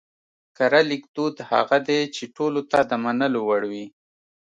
کره ليکدود هغه دی چې ټولو ته د منلو وړ وي